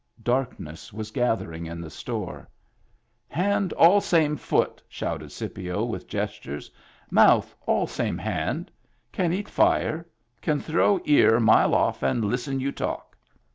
Darkness was gather ing in the store. "Hand all same foot," shouted Scipio, with gestures, "mouth all same hand. Can eat fire Can throw ear mile off and listen you talk."